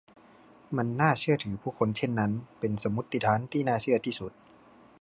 มันน่าเชื่อถือผู้คนเช่นนั้น เป็นสมมติฐานที่น่าเชื่อที่สุด